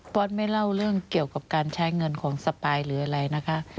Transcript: อสไม่เล่าเรื่องเกี่ยวกับการใช้เงินของสปายหรืออะไรนะคะ